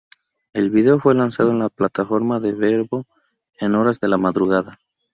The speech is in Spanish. El video fue lanzado en la plataforma de Vevo en horas de la madrugada.